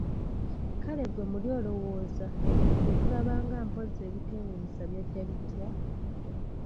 Kale ggwe muli olowooza ebyo ffe bye tulaba nga mpozzi ebiteewuunyisa byajja bitya?